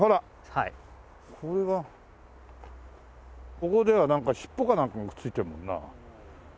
ここではなんか尻尾かなんかがくっついてるもんな。